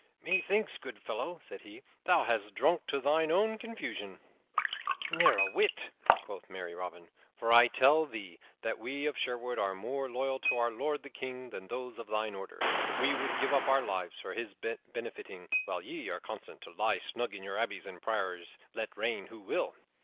"Methinks, good fellow," said he, "thou hast drunk to thine own confusion." "Never a whit," quoth merry Robin, "for I tell thee that we of Sherwood are more loyal to our lord the King than those of thine order. We would give up our lives for his benefiting, while ye are content to lie snug in your abbeys and priories let reign who will."